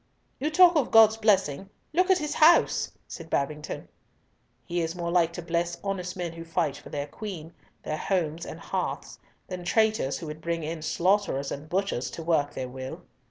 "You talk of God's blessing. Look at His House," said Babington. "He is more like to bless honest men who fight for their Queen, their homes and hearths, than traitors who would bring in slaughterers and butchers to work their will!"